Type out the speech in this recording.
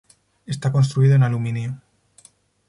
Está construido en aluminio.